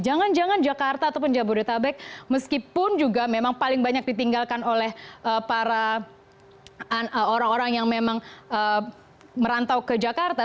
jangan jangan jakarta ataupun jabodetabek meskipun juga memang paling banyak ditinggalkan oleh para orang orang yang memang merantau ke jakarta